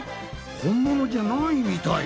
本物じゃないみたい。